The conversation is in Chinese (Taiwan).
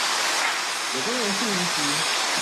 有關榕樹移植